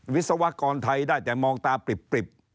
วิศวกรไทยได้แต่มองตาปริบ